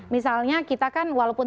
misalnya kita kan walaupun